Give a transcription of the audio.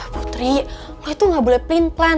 putri lo itu gak boleh plin plan